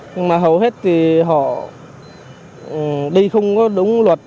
nhưng mà hầu hết thì họ đây không có đúng luật